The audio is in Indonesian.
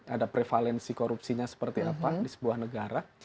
ada prevalensi korupsinya seperti apa di sebuah negara